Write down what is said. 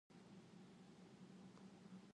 Aku sedang berusaha untuk berhenti merokok.